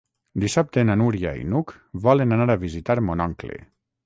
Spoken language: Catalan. Dissabte na Núria i n'Hug volen anar a visitar mon oncle.